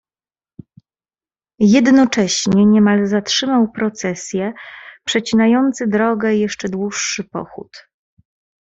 "Jednocześnie niemal zatrzymał procesję przecinający drogę jeszcze dłuższy pochód."